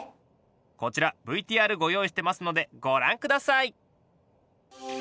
こちらＶＴＲご用意してますのでご覧下さい！